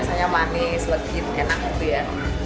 rasanya manis legit enak gitu ya